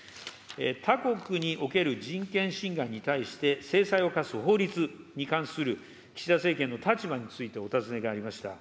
他国における人権侵害に対して、制裁を科す法律に関する岸田政権の立場についてお尋ねがありました。